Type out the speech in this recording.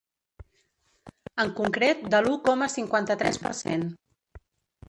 En concret de l’u coma cinquanta-tres per cent.